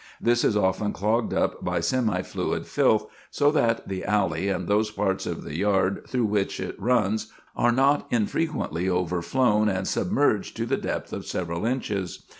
This is often clogged up by semi fluid filth, so that the alley and those parts of the yard through which it runs are not infrequently overflown and submerged to the depth of several inches.